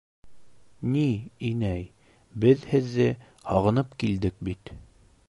— Ни, инәй, беҙ һеҙҙе һағынып килдек бит.